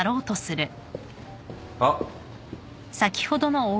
あっ。